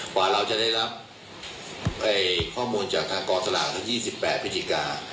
กว่าเราจะได้รับข้อมูลจากทางกอสละ๒๘พิธีกา